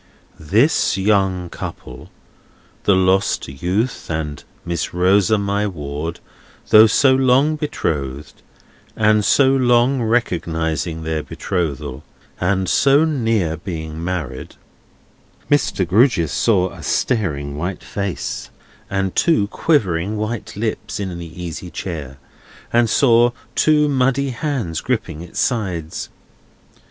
"This young couple, the lost youth and Miss Rosa, my ward, though so long betrothed, and so long recognising their betrothal, and so near being married—" Mr. Grewgious saw a staring white face, and two quivering white lips, in the easy chair, and saw two muddy hands gripping its sides.